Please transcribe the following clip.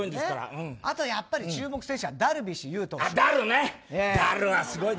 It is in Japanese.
あとやっぱり注目選手はダルビッシュ有です。